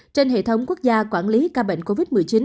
trên hệ thống quốc gia quản lý ca bệnh covid một mươi chín